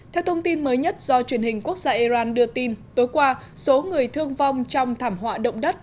theo thông tin mới nhất do truyền hình quốc gia iran đưa tin tối qua số người thương vong trong thảm họa động đất